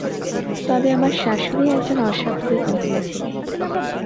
তবে আমার শাশুড়ি এক জন অস্বাভাবিক মহিলা ছিলেন।